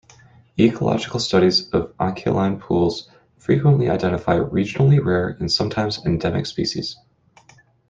Ecological studies of anchialine pools frequently identify regionally rare and sometimes endemic species.